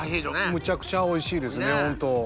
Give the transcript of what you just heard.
むちゃくちゃおいしいですホント。